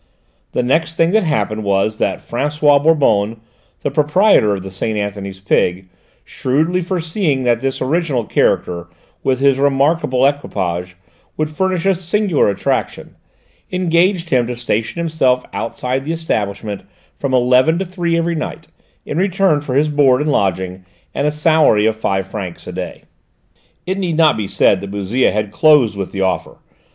The next thing that happened was that François Bonbonne, the proprietor of the Saint Anthony's Pig, shrewdly foreseeing that this original character with his remarkable equipage would furnish a singular attraction, engaged him to station himself outside the establishment from eleven to three every night, in return for his board and lodging and a salary of five francs a day. It need not be said that Bouzille had closed with the offer.